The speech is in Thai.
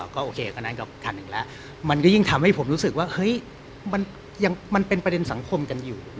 ก็โอเคคันนั้นก็คันหนึ่งแล้วมันก็ยิ่งทำให้ผมรู้สึกว่าเฮ้ยมันเป็นประเด็นสังคมกันอยู่